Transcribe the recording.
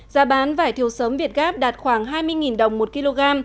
giá bán vải thiều sớm việt gáp đạt khoảng hai mươi đồng một kg